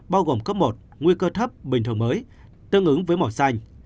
bao gồm cấp một nguy cơ thấp bình thường mới tương ứng với màu xanh